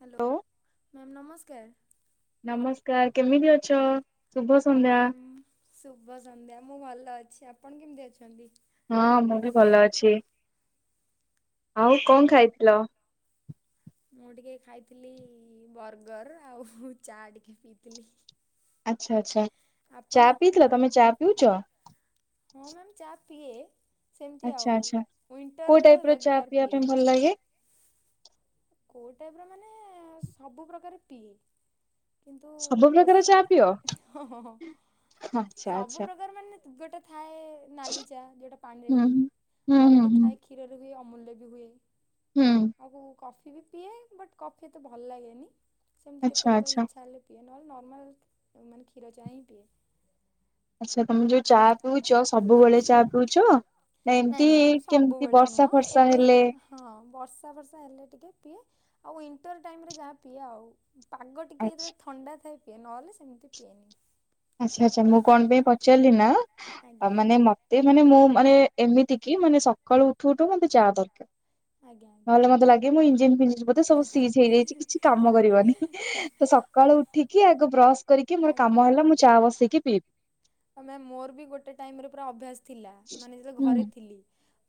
Hello hello. Ma'am ନମସ୍କାର। ନମସ୍କାର କେମିତି ଅଛ? ଶୁଭ ସନ୍ଧ୍ୟା। ହେଁ, ମୁଁ, ଶୁଭ ସନ୍ଧ୍ୟା ମୁଁ ଭଲ ଅଛି। ଆପଣ କେମିତି ଅଛନ୍ତି? ହଁ ମୁଁ ବି ଭଲ ଅଛି। ଆଉ କଣ ଖାଇଥିଲ? ମୁଁ ଟିକେ ଖାଇଥିଲି ବର୍ଗର ଆଉ ଚା ଟିକେ ପିଇଥିଲି। ଆଚ୍ଛା ଆଚ୍ଛା। ଆପଣ ଚା ପିଥିଲଥିଲ, ତମେ ଚା ପିଉଛ? ହଁ ମ୍ୟାାମ ଚା ପିଏ, ସେମିତି ଆଚ୍ଛା ଆଉ। ଆଚ୍ଛା କୋଉ ୱିଣ୍ଟରରେ ତ ଟାଇପ ର ଚା ରେଗୁଲାର ପିଏ। [unintelligible] କୋଉ ଟାଇପ ର ମାନେ ସବୁ ପ୍ରକାର ପି। କିନ୍ତୁ ସବୁ ପ୍ରକାର ବେଶୀ ଚା ପିଅ ହଁ। ଆଚ୍ଛା ସବୁ ଆଚ୍ଛା ପ୍ରକାର ମାନେ ଗୋଟା ଥାଏ ନାଲି ଚା, ଯୋଉଟା ପାଣି ରେ ହୁଁ ହୁଏ। ହୁଁ। ହୁଁ ଆଉ ହୁଁ ଗୋଟେ ହୁଁ ଥାଏ କ୍ଷୀରରେ ହୁଏ ଅମୂଲ୍ୟ ବି ହୁଏ। ହୁଁ ଆଉ କୋ କଫି କଫି ବି ପିଏ। ବଟ୍ କଫି ଏତେ ଭଲ ଲାଗେନି। ସେମିତି ଆଚ୍ଛା କେତେବେ ଆଚ୍ଛା ଇଛା ହେ ପିଏ ନହେଲେ ନର୍ମାଲ ମାନେ କ୍ଷୀର ଚା ହିଁ ପିଏ। ଆଚ୍ଛା ତମେ ଯୋଉ ଚା ପିଉଛ, ସବୁବେଳେ ଚା ପିଉଛ? ନା ନାଇଁ ଏମତି ନାଇଁ ମ୍ୟାମ୍ କେମିତି ସବୁବେଳେ ନୁହଁ ବର୍ଷା ଫର୍ଷା ଏବେ ହେଲେ। ହଁ, ବର୍ଷା ଫର୍ଷା ହେଲେ ଟିକେ ପିଏ, ଆଉ ୱିଣ୍ଟର ଟାଇମ ରେ ଯାହା ପିଏ ଆଉ। ପାଗ ଟିକେ ଆଚ୍ଛା ଯେତେବେଳେ ଥଣ୍ଡା ଥାଏ ପିଏ ନହେଲେ ସେମିତି ପିଏନି। ଆଚ୍ଛା, ଆଚ୍ଛା ମୁଁ କଣ ପାଇଁ ପଚାରିଲି ନା ଆଜ୍ଞା ମାନେ ସେ ମାନେ ମୁଁ ମାନେ ଏମିତି କି ମାନେ ସକାଳୁ ଉଠୁ ଉଠୁ ମତେ ଚା ଦରକାର। ଆଜ୍ଞା ନ ଆଜ୍ଞା ହେଲେ ମତେ ଲାଗେ ମୋ ଇଞ୍ଜିନ, ଫିଞ୍ଜିନ ବୋଧେ ସବୁ ସିଜ ହେଇଯାଇଛି କିଛି କାମ କରିବନି ତ ହଉ ସକାଳୁ ଉଠିକି ଆଗ ବ୍ରସ୍ କରିକି ମୋର ଆଜ୍ଞା। କାମ ହେଲା ମୁଁ। ଚା ବସିକି ପିଇବି। ହିଁ, ମ୍ୟାମ୍ ମୋର ବି ଗୋଟେ ଟାଇମରେ ପୁରା ଅଭ୍ୟାସ ଥିଲା ମାନେ ଯେତ ବେଳେ ହୁଁ ଘରେ ଥିଲି।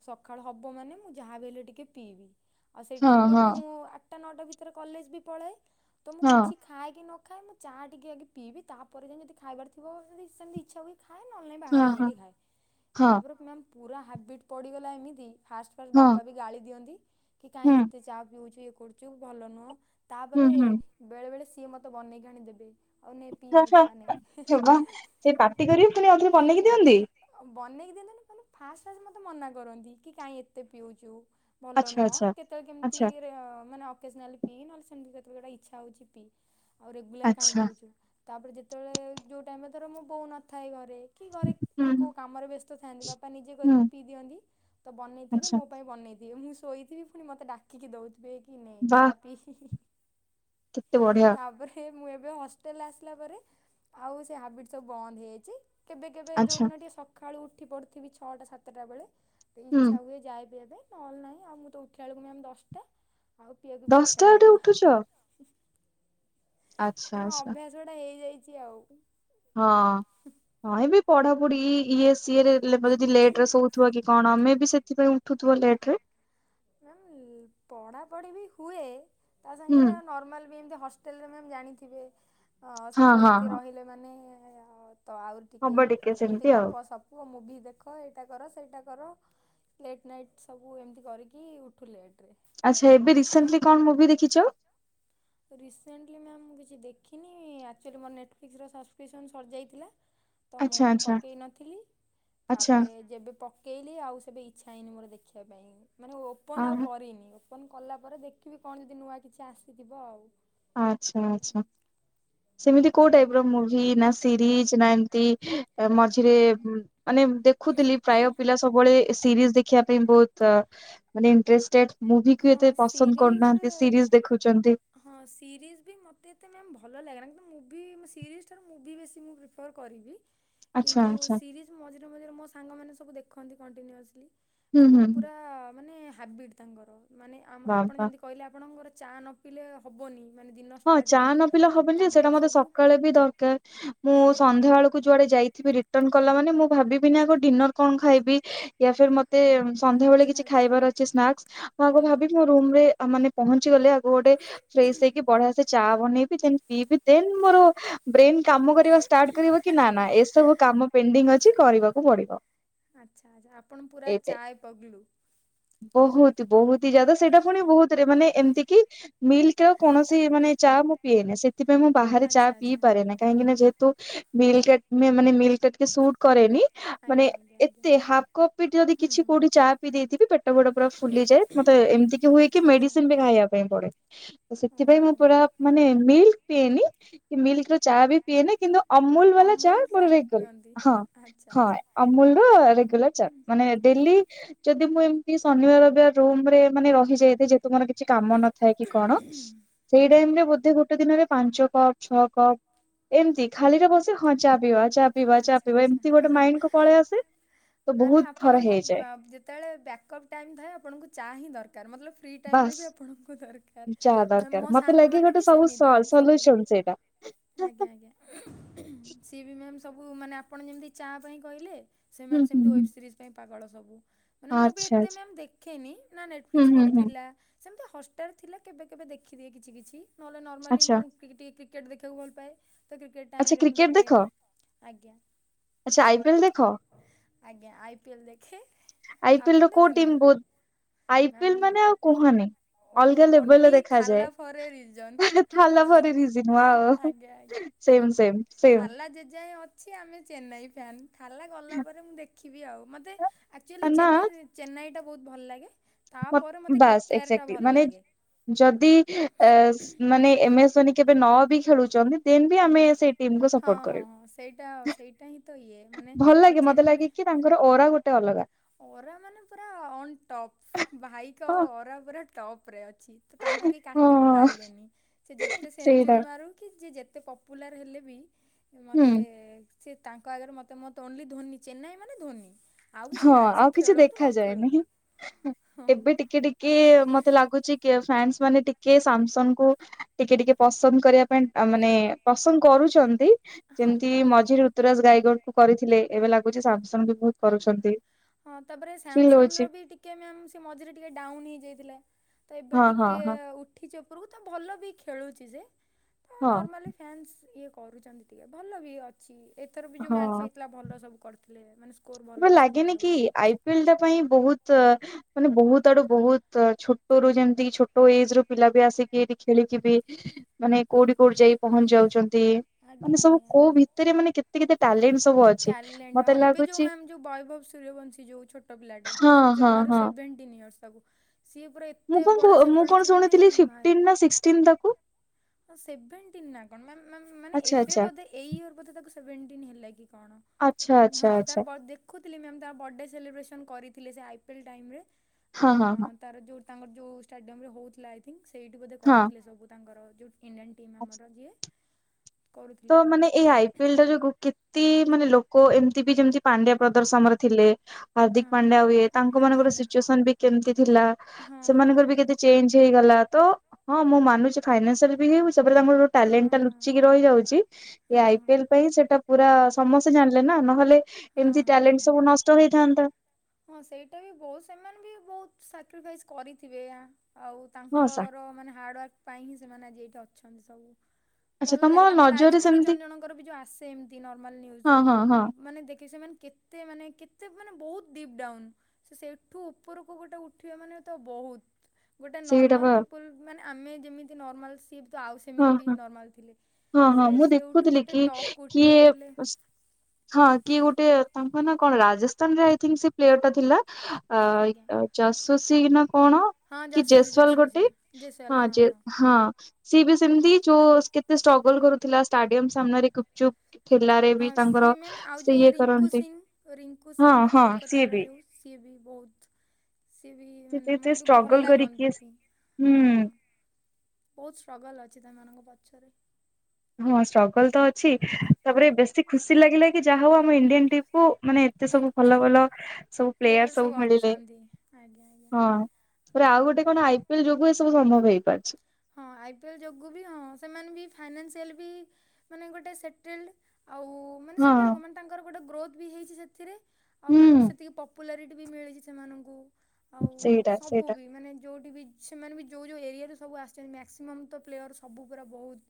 ସଖାଳ ହବ ମାନେ ମୁଁ ଯାହାବି ହେଲେ ଟିକିଏ ପିଇବି ଆଉ ସେଇ ହଁ ଟାଇମ୍ ରେ ହଁ ମୁଁ ଆଗ ଆ, ନଅଟା ଭିତରେ କଲେଜ ବି ପଳାଏ ତ ମୁଁ ହଁ କିଛି ଖାଏ କି ନ ଖାଏ ମୁଁ ଚା ଟିକେ ଆଗେ ପିଇବି ତା ଜେମିତି ଖାଇବାର ଥିବ ରିସେଣ୍ଟଲି ଇଚ୍ଛା ହୁଏ ଖାଏ ନ ହେଲେ ନାଇଁ ହଁ ବାହାରେ ହଁ ଯାଇକି ଖାଏ, ହଁ ତାପରେ ମ୍ୟାମ୍ ପୁରା ହାବିଟ୍ ପଡ଼ିଗଲା ଏମିତି ଫାଷ୍ଟ, ଫାଷ୍ଟ ହଁ ବାପା ବି ଗାଳି ଦିଅନ୍ତି କି ହୁଁ କାହିଁ ଏତେ ଚାହା ପିଉଛୁ ଇଏ କରୁଛୁ ଭଲ ନୁହଁ। ତା ହୁଁ ପରେ ହୁଁ। ବେଳେ ବେଳେ ସିଏ ମତେ ବନେଇକି ଆଣି ଦେବେ ହଉ ନେ ପି ହଁ ନେ ହଁ ଚା ନେ - - ଫୁଣି ଆଉଥରେ ବେନେଇକି ଦିଅନ୍ତି। ବନେଇକି ଦିଅନ୍ତୀ ନି ମାନେ ଫାଷ୍ଟ ଫାଷ୍ଟ ମତେ ମନା କରନ୍ତି କି କାଇହିଁ ଏତେ ପିଉଛୁ। ଭଲ ଆଚ୍ଛା ନୁହଁ ଆଚ୍ଛା। କେତେବେଳେ କେମିତି ଆଚ୍ଛା ମାନେ ଅକେଜନାଲି। ପିଇ ନହଲେ ସେମିତି କେତେବେଳେ ଗୋଟେ ଇଚ୍ଛା ହଉଚି ପିଇ ଆଉ ରେଗୁଲାର କାଇଁ ଆଚ୍ଛା ପିଉଚୁ। ତାପରେ ଯେତେବେଳେ ଯଉ ଟାଇମ ଧର ମୋ ବୋଉ ନଥାଏ ଘରେ କି ଘରେ ହୁଁ କିଏ କଉଁ କାମରେ ବ୍ୟସ୍ତ ଥାଆନ୍ତି ବାପା ନିଜେ ହୁଁ କରିକି ପିଇ ଦିଅନ୍ତି। ତ ବନେଇଥିବେ ଆଚ୍ଛା ମୋ ପାଇଁ ବନେଇ ଦିଏ ମୁଁ ଶୋଇଥିବି ପୁଣି ମତେ ଡାକିକି ଦଉଥିବେ କି ନେ ବାଃ ଚା ପିଇ। କେତେ ବଢିଆ। ତା ପରେ ମୁଁ ଏବେ ହଷ୍ଟେଲ ଆସିଲା ପରେ ଆଉ ସେ ହାବିଟ ସବୁ ବନ୍ଦ ହେଇଯାଇଚି। କେବେ, କେବେ ଯୋଉ ଆଚ୍ଛା। ଦିନ ଟିକେ ସକାଳୁ ଉଠି ପଡୁଥିବି ଛଅଟା ସାତଟା ବେଳେ ହୁଁ ଇଛା ହୁଏ ଯାଏ ପିଇବା ପାଇଁ ନ ହେଲେ ନାହିଁ ଆଉ ମୁଁ ତ ଉଠିଲା ବେଳକୁ ଆମେ ଦଶଟା। ଆଉ ପିଇବା କୁ ବି ଦଶଟା ଇଚ୍ଛା ହୁଏ ବେଳେ ନା। ଉଠୁଛ ଆଚ୍ଛା ନା ମ, ଆଚ୍ଛା ଅଭ୍ୟାସ ଗୋଟା ହେଇଯାଇଚି ଆଉ। ହଁ ହଁ ଏବେ ପଢାପଢି ଇଏ ସିଏରେ ପ ଯଦି ଲେଟ ରେ ଶୋଉଥିବ କି କଣ ମେ ବି ସେଥିପାଇଁ ଉଠୁଥିବ ଲେଟ ରେ। ହୁଁ ପଢ଼ାପଢ଼ି ବି ହୁଏ ତା ହୁଁ ସାଙ୍ଗରେ ଆଉ ନର୍ମାଲ୍ ବି ଏମିତି ହଷ୍ଟ ହୋଟେଲ୍ ରେ ମ୍ୟାମ୍ ଜାଣିଥିବେ ହଁ ହଁ ସାଙ୍ଗସାଥି ହଁ। ରହିଲେ ମାନେ ତ ଆଉ ଟିକେ ହବ ଏମିତି ସେମିତି ଆଉ ଗପ, ସପ ପ ମୁଭି ଦେଖ ଏଇଟା କର ସେଇଟା କର, ଲେଟ୍ ନାଇଟ୍ ସବୁ ଏମିତି କରିକି କି ଉଠୁ ଲେଟ୍। ଆଚ୍ଛା ଏବେ ରିସେଣ୍ଟଲି କଣ ମୁଭି ଦେଖିଚ? ରିସେଣ୍ଟଲି ମ୍ୟାମ୍ ମୁଁ କିଛି ଦେଖିନି। ଆକ୍ଚୁଆଲି ମୋର ନେଟଫ୍ଲିକ୍ସର ସବସ୍କ୍ରିପସନ୍ ସରିଯାଇଥିଲା। ତ ମୁଁ ଆଚ୍ଛା ଆଚ୍ଛା ପକେଇ ନଥିଲି ଆଚ୍ଛା। ତାପରେ ଯେବେ ପ ପକେଇଲି ଆଉ ସେବେ ଇଚ୍ଛା ହେଇନି ମୋର ଦେଖିବା ପାଇଁ ମାନେ ଅ ଓପନ ଆଉ କରିନି। ଓପନ କଲା ପରେ ଦେଖିବି କଣ ଯଦି ନୂଆ କିଛି ଆସିଥିବ ଆଉ। ଆଚ୍ଛା, ଆଛା ସେମିତି କୋଉ ଟାଇପ୍ ର ମୁଭି ନା ସିରିଜ ନା ଏମତି ମଝିରେ ମାନେ ଦେଖୁଥିଲି ପ୍ରାୟ ପିଲା ସବୁବେଳେ ସିରିଜ ଦେଖିବା ପାଇଁ ବହୁତ ମାନେ ଇଣ୍ଟେଷ୍ଟେଡ। ମୁଭିକୁ ହଁ ଏତେ ପସନ୍ଦ ସିରିଜ କରୁନାହାନ୍ତି ସିରିଜି ଦେଖୁଚନ୍ତି। ହଁ, ସିରିଜ ବି ମୋତେ ଏତେ ମ୍ୟାମ୍ ଭଲ ଲାଗେନା କିନ୍ତୁ ମୁଭି ସିରିଜ୍ ମୁଭି ବେଶୀ ମୁଁ ପି ଫର୍ କରିବି। ଆଚ୍ଛା କିନ୍ତୁ ଆଚ୍ଛା ସିରିଜ୍ ମଝିରେ ମଝିରେ ମୋ ସାଙ୍ଗମାନେ ସବୁ ଦେଖନ୍ତି କଣ୍ଟିନ୍ୟୁସଲି। ହୁଁ ହୁଁ। ସେମାନେ ପୁରା ମାନେ ହାବିଟ ତାଙ୍କର ମାନେ ଆପଣ ବାବା ଯେମିତି କହିଲେ ଆପଣଙ୍କର ଚା ନ ପିଇଲେ ହବନି। ହଁ ଚାହା ନ ପିଇଲେ ହବନି ଯେ ସେଇଟା ମତେ ସବୁ ସକାଳେ ବି ଦରକାର। ମୁଁ ଆଜ୍ଞା। ସନ୍ଧ୍ୟାବେଳକୁ ଯୁଆଡେ ଯାଇଥିବି‌ ରି ଟନ୍ କଲା ମାନେ ମୁଁ ଭାବିବିନି ଆଗ ଡିନର୍ କଣ ଖାଇବି ୟା ଫିର୍ ମତେ ସନ୍ଧ୍ୟା ବେଳେ ଆଚ୍ଛା କିଛି ଆଚ୍ଛା ଖାଇବାର ଅଛି ସ୍ନାକ୍ସ, ମୁଁ ଆଗ ଆଜ୍ଞା। ଭାବିବି ମୋ ରୁମ୍ ରେ ଆ ମାନେ ପହଞ୍ଚିଗଲେ ମୁଁ ଗୋଟେ ଫ୍ରେସ୍ ହେଇ ବଢିଆ ସେ ଚା ବନେଇବି ଦେନ୍ ପିଇବି ଦେନ୍ ମୋର ବ୍ରେନ କାମ କରିବା ଷ୍ଟାର୍ଟ କରିବ କି ନା ନା ଏସବୁ କାମ ପେଣ୍ଡିଙ୍ଗ୍ ଅଛି କରିବାକୁ ପଡିବ। ଆଚ୍ଛା ଆଚ୍ଛା ଆପଣ ପୁରା ଏଇଟା। ଚାୟ ପଗଲୁ। ବହୁତ ବହୁତ ହି ଯ୍ୟାଦା। ସେଇଟା ପୁଣି ବହୁତରେ ମାନେ ଏମିତି କିି ମିଲ୍କ୍ ଆଉ କୌଣସି ମାନେ ଚା ମୁଁ ପିଏନି। ସେଥିପାଇଁ ମୁଁ ବାହାରେ ଚା ଆଚ୍ଛା ପିଇ ଆଚ୍ଛା। ପାରେ ନାହିଁ। କାହିଁକି ନା ଯେହେତୁ ମିଲ୍କ୍ ଗା ମାନେ ମିଲ୍କ୍ ଟା ଟିକେ ସୁଟ୍ କରେନି ଆଜ୍ଞା ମାନେ ଆଜ୍ଞା ଆଜ୍ଞା ଏତେ ହାଫ୍ କପ୍ ବି ଯଦି ହୁଁ କିଛି ହୁଁ। କୋଉଠି ଚା ପିଇ ଦେଇଥିବି ପେଟ ଫେଟ ପୁରା ଫୁଲିଯାଏ। ମତେ ଏମିତି କି ହୁଏ କି ଆଚ୍ଛା ଆଚ୍ଛା ମେଡ଼ିସିନ୍ ବି ଖାଇବା ପାଇଁ ପଡେ। ସେଥିପାଇଁ ଓହୋ। ମୁ ପୁରା ମାନେ ମିଲ୍କ୍ ପିଏନି। ମିଲ୍କ୍ ର ହୁଁ, ଚା ବି ପିଏନି କିନ୍ତୁ ଅମୁଲ୍ ବାଲା ଚା ଅମୁଲଟା ମୋର ପିଅନ୍ତି ରେଗୁଲାର ହଁ। ଆଚ୍ଛା ହଁ ଆଚ୍ଛା। ଅମୁଲ୍ ର ରେଗୁଲାର ଚା ମାନେ ଡେଲି ଯଦି ମୁଁ ଏମିତି ଶନିବାର ରବିବାର ରୁମରେ ମାନେ ରହିଯାଇଥାଏ, ଯେହେତୁ ମୋର କିଛି କାମ ନଥାଏ କି କଣ ରେ ଟାଇମ୍ ରେ ବୋଧେ ଗୋଟେ ଦିନରେ ପାଞ୍ଚ କପ୍ ଛଅ କପ୍ ଏମିତି ଖାଲିରେ ବସି ହଁ ଚା ପିିଇବା ଚା ପିଇବା ଚା ଆଚ୍ଛା ପିଇବା ଏମିତି ଗୋଟେ ଆଚ୍ଛା ମାଇଣ୍ଡ କୁ ପଳେଇ ଆସେ ତ ବହୁତ ଥର ହେଇଯାଏ। ସେତେବେଳେ ବ୍ୟାକଅପ୍ ଟାଇମ୍ ଥାଏ ଆପଣଙ୍କୁ ଚା ହିଁ ଦରକାର୍ ମତଲବ ଫ୍ରି ଟାଇମରେ ବାସ୍ ବି ଆପଣଙ୍କୁ ଦରକାର। ଚା ତ ଦରକାର ମୋ ମତେ ଲାଗେ ସାଙ୍ଗମାନେ ଗୋଟେ ବି ସବୁ ସେମିତି ସବୁ ସଲ୍ୟୁସନ ସେଇଟା। ଆଜ୍ଞା ଆଜ୍ଞା। ଆଜ୍ଞା ସିଏ ବି ମ୍ୟାମ୍ ସବୁ ମାନେ ଆପଣ ଯେମତି ଚା ପାଇଁ କହିଲେ ହୁଁ ସେମାନେ ହୁଁ ସେମିତି ହୁଁ ୱେବ୍ ସିରିଜ୍ ପାଇଁ ପାଗଳ ସବୁ। ମାନେ ମୁଁ ବି ଆଚ୍ଛା ଆଚ୍ଛା। ଏତେ ମ୍ୟାମ୍ ଦେଖେନି ନା ହୁଁ ନେଟଫ୍ଲିକ୍ସ୍ ହୁଁ ମୋର ହୁଁ ଥିଲା। ସେମିତି ହଷ୍ଟାର୍ ଥିଲା କେବେ କେବେ ଦେଖିଦିଏ କିଛି କିଛି ନହେଲେ ନର୍ମାଲି ଆଚ୍ଛା ମୁଁ କି ଟିକେ କ୍ରିକେଟ୍ ଦେଖିବାକୁ ଭଲ ପାଏ ତ କ୍ରିକେଟ ଆଚ୍ଛା ଟାଇମରେ ମୁଁ କ୍ରିକେଟ ଦେଖେ ଦେଖ ଆଜ୍ଞା। ଆଚ୍ଛା ଆଇ ପିଏଲ ଦେଖ। ଆଜ୍ଞା ଆଇ ପିଏଲ ଦେଖେ। ଆଇପିଏଲ ଆପଣ ର କୋଉ ଦେଖନ୍ତି ଟିମ୍ କି? ବହୁତ ମ୍ୟାମ୍ ଆଇପିଏଲ ମାନେ ଆଉ କୁହନି। ଅଲଗା ଲେବଲ ଓନ୍ଲି ର ଥାଲା ଦେଖାଯାଏ ଫର୍ ଏ ରିଜନ୍ ଥାଲା ଭରି ରିଜିନ ୱାଓ। ଆଜ୍ଞା ଆଜ୍ଞା। ସେମ ସେମ ସେମ ଥାଲା ଜେଜାଏ ଅ ଛି ଆମେ ଚେନ୍ନାଇ ଫ୍ୟାନ୍ ଥାଲା ଗଲା ପରେ ମୁଁ ଦେଖିବି ଆଉ ମୋତେ ଆକ୍ଚୁଆଲି ନା ଚେନ୍ନାଇ ଚେନ୍ନାଇଟା ବହୁତ ଭଲ ଲାଗେ। ମ ତାପରେ ମୋତେ ବାସ୍ କେକେଆର୍ ଟା ଏକ୍ଜାକ୍ଟଲି ଭଲ ମାନେ ଲାଗେ। ଯଦି ଏସ୍ ମାନେ ଏମେସେନ୍ କି କେବେ ନ ବି ଖେଳୁଛନ୍ତି। ଦେନ୍ ବି ଆମେ ଆଜ୍ଞା। ସେ ଟିମ୍ କୁ ହଁ ସପୋର୍ଟ ହଁ ହଁ ସେଇଟା କରିବୁ ସେଇଟା ହିଁ ତ ଇଏ ମାନେ ଭଲ ଆଉ ଲାଗେ ମତେ ଚେନ୍ନାଇ ଲାଗେ କି ତାଙ୍କର ଓରା ଗୋଟେ ଅଲଗା। ଅରା ମାନେ ପୁରା ଅନ୍ ଟପ୍ ଭାଇଙ୍କ ହଁ ଅରା ପୁରା ଟପରେ ଅଛି। ଅଛି ତ ତାଙ୍କୁ କେହି କାଟି ବି ହଁ। ପାରିବେନି ସେ ଯେତେ ସେଇଟା ସେନ୍ଚୁରି ମାରୁ କି ଯିଏ ଯେତେ ପପ ପପୁଲାର ହେଲେ ବି ହୁଁ ମୋତେ ସେ ତାଙ୍କ ଆଗରେ ମତେ ମତେ ୱଲି ଧୋନି ଚେନ୍ନାଇ ମାନେ ଧୋନି। ଆଉ କିଛି ହଁ ନାହିଁ ସେ ଆଉ କିଛି ଖେଳନ୍ତୁ ନ ଦେଖାଯାଏନି ଖେଳନ୍ତୁ ହଁ ଏବେ ଟିକେ ଟିକେ କି ମତେ ଲାଗୁଚି କିଏ ଫ୍ୟାନ୍ସ୍ ମାନେ ଟିକେ ସାମସଙ୍ଗ୍ କୁ ଟିକେ ଟିକେ ପସନ୍ଦ କରିବା ପାଇଁ ଅ ମାନେ ପସନ୍ଦ କରୁଛନ୍ତି। ହଁ ଯେମିତି ପା ମଝିରେ ଋତୁରାଜ ଗାଈଗଡ କୁ କରିଥିଲେ ଏବେ ଲାଗୁଛି ସାମସଙ୍ଗ୍ ବି ବହୁତ କରୁଛନ୍ତି। ହଁ ତାପରେ ଫିଲ୍ ସାମସଙ୍ଗ୍ ର ହଉଛି ବି ଟିକେ ମ୍ୟାମ୍ ସେ ମଝିରେ ଟିକେ ଡାଉନ୍ ହେଇଯାଇଥିଲା। ତ ଏବେ ହଁ ହଁ ଟିକେ ହଁ ଉଠିଛି ଉପରକୁ ତ ଭଲ ବି ଖେଳୁଛି ସେ। ହଁ ନର୍ମାଲି ଫ୍ୟାନ୍ସ୍ ଇଏ କରୁଛନ୍ତି ଟିକେ ଭଲ ବି ଅଛି। ଏଥର ବି ଯୋଉ ମ୍ୟାଚ୍ ହଁ। ହେଇଥିଲା ଭଲ ସବୁ କରିଥିଲେ ମାନେ ସ୍କୋର ଭଲ ଏବେ ଆସିଥିଲା ଲାଗେନି ସବୁ। କି ଆଇପିଏଲ ଟା ପାଇଁ ବହୁତ ମାନେ ବହୁତ ଆଡୁ ବହୁତ ଛୋଟ ରୁ ଯେମିତି ଛୋଟ ଏଜ ରୁ ପିଲା ବି ଆସିକି ଏଠି ଖେଳିକି ବି ମାନେ କୋଉଠି କୋଉଠି ଯାଇ ପହଞ୍ଚି ଯାଉଛନ୍ତି। ଆଜ୍ଞା ମାନେ ସବୁ ଆଜ୍ଞା କୋଉ ଭିତରେ ମାନେ କେତେ କେତେ ଟ୍ୟାଲେଣ୍ଟ ସବୁ ଅଛି। ଟ୍ୟାଲେଣ୍ଟଁ ମତେ ହଁ ଏବେ ଯୋଉ ଲାଗୁଛି ମ୍ୟାମ ଯେଉଁ ବୈଭବ ସୂର୍ଯ୍ୟବଂଶୀ ଯେଉଁ ଛୋଟ ପିଲାଟେ ହଁ ହଁ ଜମାରୁ ହଁ ସେଭେଣ୍ଟିନ୍ ଇୟର୍ସ ତାକୁ ସିଏ ପୁରା ମୁଁ ଏତେ କଣ ବଢ଼ିଆ ସେ ମୁଁ ଖେଳୁଛି କଣ ମାନେ ଶୁଣିଥିଲି ଫିପଟିନ ନା ସିକ୍ସଟିନ ତାକୁ। ସେଭେଣ୍ଟି ନା କଣ ମ୍ୟମ ମ୍ୟାନ ମାନେ ଆଚ୍ଛା ଏବେ ଆଚ୍ଛା ବୋଧେ ଏଇ ଇଅର୍ ବୋଧେ ତାକୁ ସେଭେଣ୍ଟିନ ହେଲା କି କଣ। ଆଚ୍ଛା ଆଚ୍ଛା ହଁ ଆଚ୍ଛା ତାର ଦେଖୁଥିଲି ମ୍ୟାମ୍ ତାର ବର୍ଡେ ସେଲିବ୍ରେସନ୍ କରୁଥିଲେ ସେ ଆଇ ପିଏଲ୍ ଟାଇମରେ। ହଁ ହଁ ହଁ। ଅଁ ତାର ଯେଉଁ ତାଙ୍କର ଯେଉଁ ଷ୍ଟାଡିୟମରେେ ହେଉଥିଲା ଆଇ ଥିଙ୍କ୍ ସେଇଠି ବୋଧେ ହଁ କରିଥିଲେ ସବୁ ତାଙ୍କର ଯେଉଁଇଣ୍ଡିଆନ ଟିମ୍ ହଁ। ଆମର ଯିଏ। କରୁଥିଲେ ତ ସବୁ। ମାନେ ଏଇ ଆଇ ପିଏଲ ଟା ଯୋଗୁ କେତେ ମାନେ ଲୋକ ଏମିତି ବି ଯେମିତି ପାଣ୍ଡଆ ପ୍ରଦର୍ଶନରେ ଥିଲେ। ହାର୍ଦ୍ଦିକ ପାଣ୍ଡ୍ୟା ଆଉ ହଁ ଇଏ ତାଙ୍କ ହାର୍ଦ୍ଦିକ ମାନଙ୍କର ନା ସିଚୁଏସନ ବି କେମିତି ଥିଲା ହଁ ହଁ ସେମାନଙ୍କର ବି ହଁ। କେତେ ଚେଞ୍ଜ ହେଇଗଲା ତ ହଁ ମୁଁ ମାନୁଛି ଫାଇନାସିଆଲ ହେଉଛ ସେପଟେ ତାଙ୍କର ହଁ ଟ୍ୟାଲେଣ୍ଟ ଟା ହଁ। ଲୁଚିକି ରହିଯାଉଛି ହଁ ଏ ଆଇ ହଁ। ପିଏଲ ପାଇଁ ସେଟା ପୁରା ସମସ୍ତେ ଜାଣିଲେ ନା ନହେଲେ ହଁ ଏମିତି ହଁ ଟ୍ୟାଲେଣ୍ଟ ହଁ। ସବୁ ନଷ୍ଟ ହେଇଥାନ୍ତା। ହଁ ସେଇଟା ବି ବହୁତ ସେମାନେ ବି ବହୁତ ସାକ୍ରିଫାଇସ୍ କରିଥିବେ ଆଉ ହଁ ସାର୍ ତାଙ୍କର ମାନେ ହାର୍ଡ଼ୱାକ୍ ପାଇଁ ହିଁ ସେମାନେ ଆଜି ଏଇଠି ଅଛନ୍ତି ସବୁ। ଆଚ୍ଛା ଭଲ ତମ ଲାଗେ ତାଙ୍କ ଲାଇଫ୍ ନଜରରେ ଷ୍ଟୋରି ସେମିତି ଜଣ୍ ଜଣଙ୍କର ବି ଯଉ ଆସେ ଏମତି ନର୍ମାଲ ହଁ ନ୍ଯୁଜରେ। ହଁ ହଁ ମାନେ ଦେଖି ସେମାନେ କେତେ ମାନେ କେତେ ମାନେ ବହୁତ୍ ଡିପ୍ ଡାଉନ୍ ସେ ସେଠୁ ଉପରକୁ ଗୋଟେ ଉଠିବା ମାନେ ତ ବହୁ ଗୋଟେ ସେଇଟା ନର୍ମାଲ୍ ବା ପିପୁଲ୍ ମାନେ ଆମେ ଯେମିତି ନର୍ମାଲ ସିଏ ବି ତ ଆଉ ହଁ ସେମିତି ବି ହଁ ନର୍ମାଲ୍ ଥିଲେ ହଁ ହଁ ସିଏ ମୁଁ ସେଉଠୁ ଦେଖୁଥିଲି ଗୋଟେ କି ଟପ୍ କୁ କିଏ ଉଠଆକୁ ଏଲେ ହଁ କି ଗୋଟେ ତାଙ୍କ ନା କଣ ରାଜସ୍ତାନ ଜାଇଥିଲି ସେ ପ୍ଲେୟର ଟା ଥିଲା। ଆଇ ଆଜ୍ଞା ଆ ଚାଷୋସି ନା କଣ? ହଁ କି ଯଶସ୍ୱୀ ଜେସ୍ୱାଲ ଗୋଟେ ଯଶସ୍ୱୀ ଜୟସୱାଲା ହଁ ଜେ ହଁ। ସିଏ ବି ସେମିତି ଯୋସ୍ କେତେ ଷ୍ଟ୍ରଗଲ୍ କରୁଥିଲା ଷ୍ଟାଡିୟମ ସାମ୍ନାରେ ଗୁପ ଚୁପ୍ ଠେଲାରେ। ହଁ ସିଏ ମ୍ୟାମ୍ ଆଉ ଯୋଉ ରିଙ୍କୁ କରନ୍ତି ସିଂ ରିଙ୍କୁ ହଁ ସିଂ ବି ହଁ ସିଏ କଲକତାର ବି ଯୋଉ। ସିଏ ବି ବହୁତ୍। ସିଏ ବି ସେ ମାନେ ଏତେ ମତେ ବି ଭଲ ଷ୍ଟ୍ରଗଲ କରିକି ଲାଗନ୍ତି ହଁ। ହୁଁ ବହୁତ୍ ଷ୍ଟ୍ରଗଲ୍ ଅଛି ତାମାନଙ୍କ ପଛରେ। ହଁ ଷ୍ଟ୍ରଗଲ ତ ଅଛି ତାପରେ ବେଶୀ ଖୁସି ଲାଗିଲା କି ଯାହା ହଉ ଆମ ଇଣ୍ଡିଆନ୍ ଟିପ୍ କୁ ମାନେ ଏତେ ସବୁ ଭଲ ଭଲ ସବୁ ପ୍ଲେୟାର ପ୍ଲେୟର୍ ସବୁ ମିଳିଲେ ଅଛନ୍ତି ଆଜ୍ଞା ଆଜ୍ଞା। ଅଁ। ପୁରା ଆଉ ଗୋଟେ ହଁ କଣ ଆଇ ପି ଏଲ୍ ଯୋଗୁ ଏ ସବୁ ସମ୍ଭବ ହେଇପାରୁଛି। ହଁ ଆଇ ପି ଏଲ୍ ଯୋଗୁ ବି ହଁ ସେମାନେ ବି ଫାଇନାନ୍ସିଆଲ୍ ବି ମାନେ ଗୋଟେ ସେଟେଲ୍ଡ୍ ଆଉ ମାନେ ସେଟେଲେ ଗ ମାନ୍ ତାଙ୍କର ଗୋଟେ ଗ୍ରୋଥ୍ ବି ହେଇଚି ସେଥିରେ ଆଉ ମାନେ [unintelligible] ହଁ। ସେତିକି ପ ପୁଲାରିଟି ବି ମିଳିଚି ସେମାନଙ୍କୁ ଆଉ ସେଇଟା ସବୁ ସେଇଟା ବି ମାନେ ଯୋଉଠି ବି ସେମାନେ ବି ଯୋଉ ଯୋଉ ଏରିଆରେ ସବୁ ଆସ୍ ସେମି ମ୍ୟାକ୍ସିମମ୍ ତ ପ୍ଲେୟର ସବୁ ପୁରା ବହୁଦ୍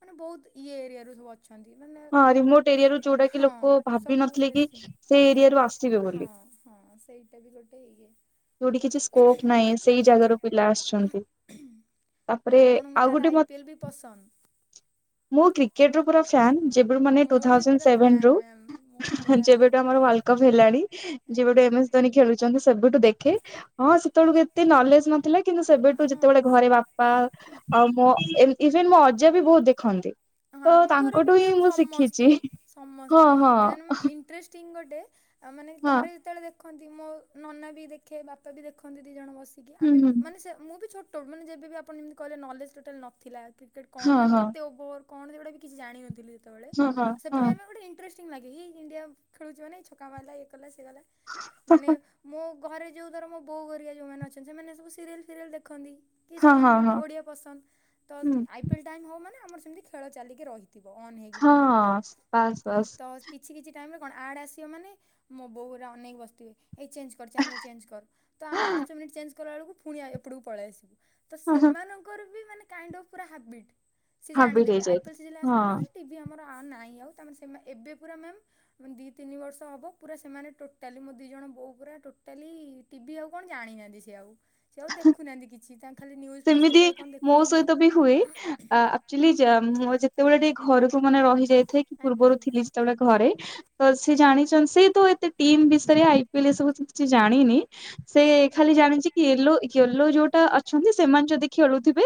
ମାନେ ବହୁତ୍ ଇଏ ଏରିଆରୁ ସବୁ ଅ ଛନ୍ତି ମାନେ ହଁ ରିମୋଟ ଏରିଆରୁ ଯୋଉଟା କି ହଁ ଲୋକ ଭାବି ସବୁ ନଥିଲେ କି ବେଶୀ। ସେ ଏରିଆରୁ ଆସିବେ ହଁ ବୋଲି ହଁ ସେଇଟା ବି ଗୋଟେ ଇଏ। ଯୋଉଠି କିଛି ସ୍କୋପ୍ ନାଇ ସେଇ ଜାଗାରୁ ପିଲା ଆସିଚନ୍ତି। ତାପରେ ଆପଣଙ୍କୁ ଆଉ ତାହେଲେ ଗୋଟେ ଆଇ ମତ୍ ପି ଏଲ୍ ବି ପସନ୍ଦ? ମୁ କ୍ରି କେଟ୍ ର ପୁରା ଫ୍ୟାନ୍ ଯେବେରୁ ମାନେ ଟୁ ମୁଁ ବି ଥାଉଜେନ୍ ପୁରା ସେଭେନ୍ ଫ୍ୟାନ୍ ରୁ। ମ୍ୟାମ୍ ମୁଁ ପୁରା ଯେବେଠୁ ଆମର ୱାଲ୍ କପ୍ ହେଲାଣି ଆଜ୍ଞା ଯେବେଠୁ ଏମ ଆଜ୍ଞା। ଏସ୍ ଧୋନି ଖେଳୁ ଚନ୍ତି ସେବେଠୁ ଦେଖେ ହଁ ସେତେଏଳୁକୁ ଏତେ ନଲେଜ୍ ନଥିଲା କିନ୍ତୁ ସେବେଠୁ ହଁ। ଯେତେବେଳେ ଘରେ ବା ବା ଆଉ ମୋ ଏମ୍ ଇଭେନ୍ ମୋ ଅଜା ବି ବହୁ ଦେଖନ୍ତି। ହଁ ତ ଆମ ଘରେ ବି ତାଙ୍କଠୁ ହିଁ ମ୍ୟାମ୍ ମୁଁ ଶିଖିଛି ସମସ୍ତେ ହଁ ସମସ୍ତେ ହଁ ମେନ୍ ଇନ୍ଟ୍ରେଷ୍ ଟିଂ ଗଟେ ଆ ମାନେ ହଁ ଘରେ ଯେତେବେଳେ ଦେ ଦଖନ୍ତି ମୋ ନନା ବି ଦେଖେ ବାପା ବି ଦେଖନ୍ତି ଦି ଜଣ ବସିକି ହୁଁ ଆମେ ବି ହୁଁ ଦେ ମାନେ ମୁଁ ବି ଛୋ ଟ ମାନେ ଯେବେବି ଆପଣ ଯେମିତି କହିଲେ ନଲେଜ୍ ଟୋଟାଲ୍ ନଥିଲା କ୍ରିକେଟ୍ ହଁ କଣ ମାନେ ହଁ କେତେ ଓଭର୍ କଣ ସେଗୁଡ଼ା ବି କିଛି ଜଣିନଥିଲି ସେତେବେଳେ ହଁ ହଁ ସେ ହଁ ବି ଆମେ ଗଟେ ଇନ୍ଟ୍ରେଷ୍ ଟିଂ ଲାଗେ ହି ଇଣ୍ଡିଆ ଖେଳୁଚି ମାନେ ଛକା ମାଇଲା ଇଏ କଲା ସିଏ କଲା ମାନେ ମୋ ଘରେ ଯେଉ ଧର ମୋ ବୋଉ ଘରିଆ ଯୋଉମାନେ ଅଛନ୍ତି ସେମାନେ ସବୁ ସିରିଏଲ୍ ଫିରିଏଲ୍ ଦେଖନ୍ତି। କି ହଁ ହଁ ସେମାନଙ୍କୁ ଟି ହଁ ଓଡ଼ିଆ ପସନ୍ଦ ତ ହୁଁ ଆଇ ପି ଏଲ୍ ଟାଇମ୍ ହବ ମାନେ ଆମର ସେମିତି ଖେ ଖେଳ ଚାଲିକି ରହିତିବ ଅନ୍ ହେଇକି ଟିଭି ହଁ ପୁରା ବାସ୍ ବାସ୍ ତ କିଛି କିଛି ଟାଇମ୍ ରେ କଣ ଆଡ୍ ଆସିଅ ମାନେ ମୋ ବୋଉହରା ଅନେଇକି ବସତିବେ। ଏଇ ଚେଞ୍ଜ କର ଚ୍ୟାନେଲ ଚେଞ୍ଜ କର ତ ଆମେ ପାଞ୍ଚ ମିନିଟ୍ ଚେଞ୍ଜ କଲା ଏଲୁକୁ ଫୁଣି ଆ ଏପଟକୁ ପଳେଇ ଆସିବୁ। ତ ସେମାନଙ୍କର ବି ମାନେ କାଇଣ୍ଡ୍ ଅଫ୍ ପୁରା ହବିଟ୍ ସିଏ ହାବିଟ ଜାଣିଦେବେ ଆଇ ହେଇଯାଏ ପି ଏଲ ସିଜିଲ୍ ଆସି ହଁ [unintelligible] ଟିଭ୍ ଭି ଆମର ଆ ନାଇ ଆଉ ତା ମାନେ ସେମା ଏବେ ପୁରା ମ୍ୟାମ୍ ମାନେ ଦି, ତିନି ବର୍ଷ ହବ ପୁରା ସେମାନେ ଟୋଟାଲି ମୋ ଦି ଜଣ ବୋଉ ପୁରା ଟୋଟାଲି ଟିଭି ଆଉ କଣ ଜାଣିନାଆନ୍ତି ସେ ଆଉ ସେ ଆଉ ଦେଖୁନାଆନ୍ତି କିଛି ତାଙ୍କ୍ ଖାଲି ନ୍ୟୁଜ୍ ଫ୍ୟୁଜ୍ ଏମିତି କେତେବେଳେ କ'ଣ ମୋ ସହିତ ବି ହୁଏ। ଦେଖୁଛନ୍ତି ଆ ଆ ଆକ୍ଚୋଲି ଯା ମୁଁ ଯେତେବେଳେ ଟିକେ ଘରକୁ ମାନେ ରହି ଯାଇଥାଏ କି ଆଜ୍ଞା ପୂର୍ବରୁ ଆଜ୍ଞା। ଥିଲି ଯେତେବେଳେ ଘରେ ତ ସେ ଜାଣିଚନ୍ ସେ ତ ଏତେ ଟିମ୍ ବିଷୟରେ ଆଇ ପି ଏଲ ଏ ସବୁ [unintelligible] ଜାଣିନି। ସେ ଖାଲି ଜାଣିଚି କି ୟେଲୋ ୟେଲୋ ଯୋଉଟା ଅଛନ୍ତି। ସେମାନେ ଯଦି ଖେଳୁଥିବେ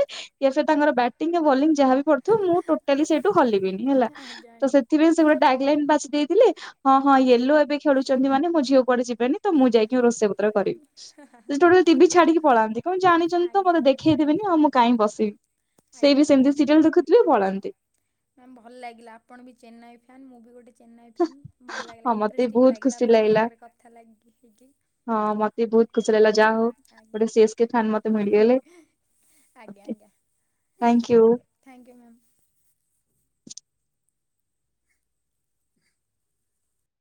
ତାଙ୍କର ବ୍ୟାଟିଂ ବୋଲିଂ ଯାହାବ ଥିବ ମୁଁ ଟୋଟାଲି ସେଇଠୁ ହଲିବିନି ହେଲା ଆଜ୍ଞା ଆଜ୍ଞା। ଆଜ୍ଞା ତ ଆଜ୍ଞା। ସେଥିପାଇଁ ସେ ଗୋଟେ ଟ୍ରାକ୍ ଲାଇନ୍ ବାଛି ଦେଇଥିଲେ ହଁ ହଁ ୟେଲୋ ଏବେ ଖେଳୁଛନ୍ତି ମାନେ ମୋ ଝିଅ କୁଡେ ଯିବନି। ତ ମୁଁ ଯାଇକିଁ ରୋଷେଇ ପତ୍ର କରିବି ସେ ଟିଭି ଛାଡିକି ପଳାନ୍ତି କଣ ଜାଣିଛନ୍ତି। ଆଜ୍ଞା ଉଠି ବେନି ଆଉ ମୁଁ କାଇହିଁ ବସିବି ସେ ବି ଆଜ୍ଞା ସେମିତି ଆଜ୍ଞା ସିରିଏଲ ଦେଖୁଥିବେ ପଳାନ୍ତି। ମ୍ୟାମ୍ ଭଲ ଲାଗିଲା ଆପଣ ବି ଚେନ୍ନାଇ ଫ୍ୟାନ୍ ମୁଁ ବି ଗୋଟେ ଚେନ୍ନାଇ ଫ୍ୟାନ୍ ଭଲ ଲାଗିଲା ହଁ ମତେ ଇଣ୍ଟରେଷ୍ଟିଙ୍ଗ ବହୁତ ଲାଗିକିଲା ଖୁସି ଆପଣଙ୍କ ଲାଗିଲା ସାଙ୍ଗରେ କଥା ଲାଗିକି ହେଇକି। ହଁ ମତେ ବହୁତ ଓକେ ଖୁସି ମ୍ୟାମ୍ ଲାଗିଲା ଯାହା ହଉ ଆଜ୍ଞା ଗୋଟେ ସେଷ ଫ୍ୟାନ୍ ମତେ ମିଳିଗଲେ। ଆଜ୍ଞା ଆଜ୍ଞା। Thank you. Thank you ma'am